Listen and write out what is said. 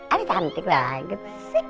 aduh cantik banget